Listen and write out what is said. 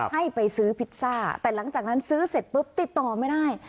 ให้ไปซื้อพิซซ่าแต่หลังจากนั้นซื้อเสร็จปุ๊บติดต่อไม่ได้